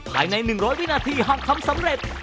ใน๑๐๐วินาทีหากทำสำเร็จ